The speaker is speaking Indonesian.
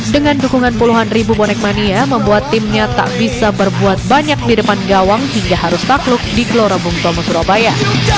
dengan dukungan puluhan ribu bonek mania membuat timnya tak bisa berbuat banyak di depan gawang hingga harus takluk di gelora bung tomo surabaya